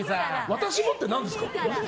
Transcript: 私もって何ですか。